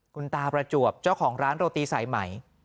คุณตาประจวบเจ้าของร้านโรตีสายไหม